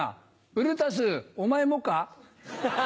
ブルータスお前もか？